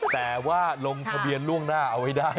แต่ว่าลงทะเบียนล่วงหน้าเอาไว้ได้